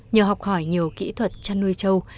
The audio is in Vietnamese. nhờ học hỏi nhiều kỹ thuật chăn nuôi châu